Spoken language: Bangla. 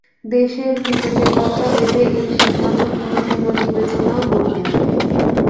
দেশের ক্রিকেটের কথা ভেবে এই সিদ্ধান্ত তিনি পুনর্বিবেচনাও করবেন।